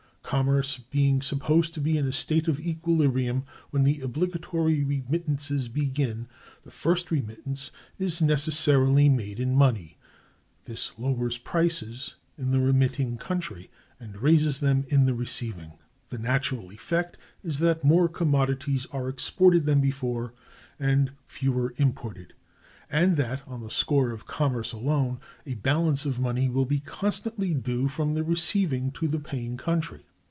Commerce being supposed to be in a state of equilibrium when the obligatory remittances begin, the first remittance is necessarily made in money. This lowers prices in the remitting country, and raises them in the receiving. The natural effect is, that more commodities are exported than before, and fewer imported, and that, on the score of commerce alone, a balance of money will be constantly due from the receiving to the paying country.